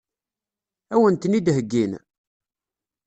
Ad wen-ten-id-heggin?